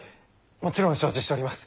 もちろん承知しております。